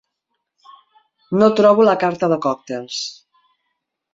No trobo la carta de còctels.